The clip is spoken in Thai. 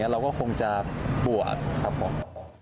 เราก็คงจะบวชครับผม